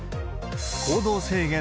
行動制限